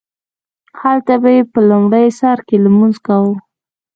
هلته به یې په لومړي سرکې لمونځ کاوو.